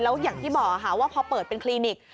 แล้วอย่างที่บอกค่ะว่าพอเปิดเป็นคลินิก